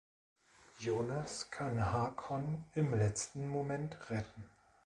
Jonas kann Hakon im letzten Moment retten.